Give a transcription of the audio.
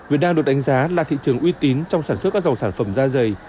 việt nam được đánh giá là thị trường uy tín trong sản xuất các dòng sản phẩm da dày